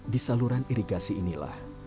di saluran irigasi inilah